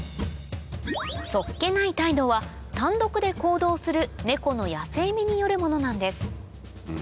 素っ気ない態度は単独で行動するネコの野性味によるものなんです